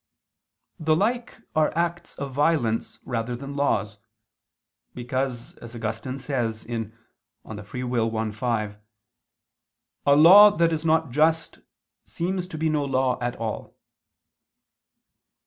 The like are acts of violence rather than laws; because, as Augustine says (De Lib. Arb. i, 5), "a law that is not just, seems to be no law at all."